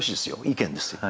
意見ですよ。